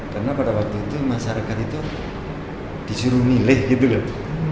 karena pada waktu itu masyarakat itu disuruh milih gitu loh